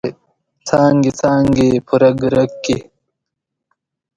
څانګې، څانګې په رګ، رګ کې